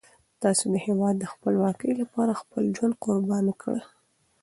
تاسو د هیواد د خپلواکۍ لپاره خپل ژوند قربان کړئ.